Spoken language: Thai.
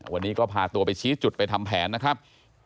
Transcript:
วันนี้ก็พาตัวไปชี้จุดไปทำแผนนะครับ